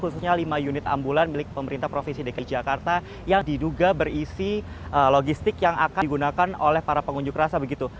khususnya lima unit ambulan milik pemerintah provinsi dki jakarta yang diduga berisi logistik yang akan digunakan oleh para pengunjuk rasa begitu